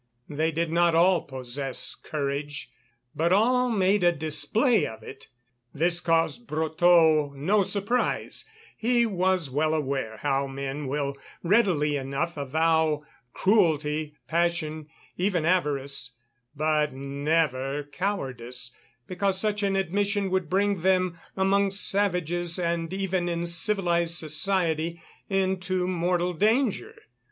They did not all possess courage; but all made a display of it. This caused Brotteaux no surprise; he was well aware how men will readily enough avow cruelty, passion, even avarice, but never cowardice, because such an admission would bring them, among savages and even in civilized society, into mortal danger.